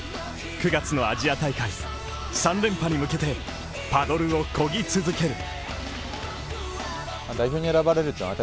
９月のアジア大会３連覇に向けてパドルをこぎ続ける。